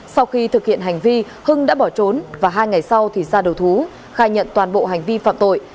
sau khi thực hiện hành vi hưng đã bỏ trốn và hai ngày sau thì ra đầu thú khai nhận toàn bộ hành vi phạm tội